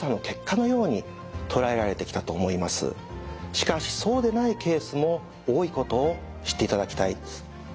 しかしそうでないケースも多いことを知っていただきたいです。